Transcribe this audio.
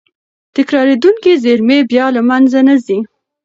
تکرارېدونکې زېرمې بیا له منځه نه ځي.